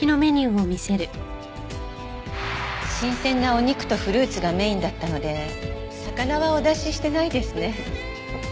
新鮮なお肉とフルーツがメインだったので魚はお出ししてないですね。